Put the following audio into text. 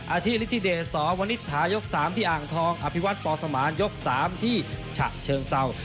อาทิตย์ฤทธิเดสสองวันนิษฐายกสามที่อ่างทองอภิวัตปอสมานยกสามที่ฉะเชิงเศร้า